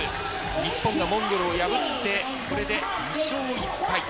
日本がモンゴルを破ってこれで２勝１敗。